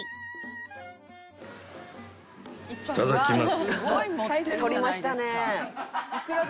いただきます。